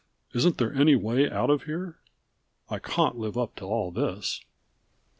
Isn't there any way out of here? I cawn't live up to all this!"